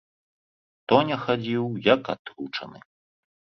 Тоня хадзіў як атручаны.